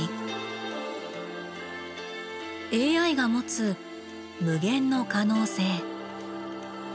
ＡＩが持つ無限の可能性。